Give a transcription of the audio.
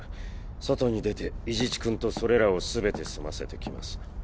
外に出て伊地知君とそれらを全て済ませてきます。